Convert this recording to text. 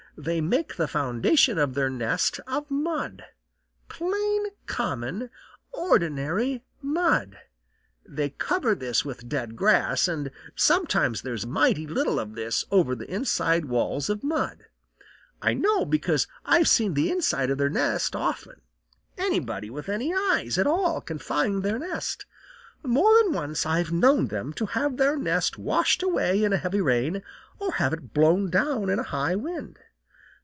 They make the foundation of their nest of mud, plain, common, ordinary mud. They cover this with dead grass, and sometimes there is mighty little of this over the inside walls of mud. I know because I've seen the inside of their nest often. Anybody with any eyes at all can find their nest. More than once I've known them to have their nest washed away in a heavy rain, or have it blown down in a high wind.